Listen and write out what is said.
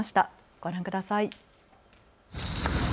ご覧ください。